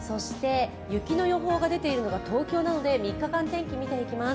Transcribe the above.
雪の予報が出ている東京なので、３日間天気見ていきます。